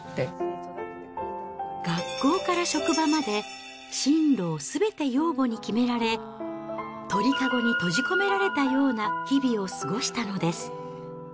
学校から職場まで、進路をすべて養母に決められ、鳥籠に閉じ込められたような日々を過ごしたのです。